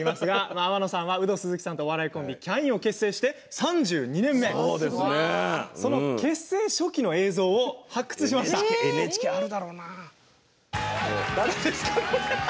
天野さんは、ウド鈴木さんとお笑いコンビ、キャインを結成して３２年目その結成初期の映像をＮＨＫにはあるだろうな。